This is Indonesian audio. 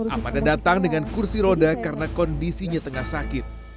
amanda datang dengan kursi roda karena kondisinya tengah sakit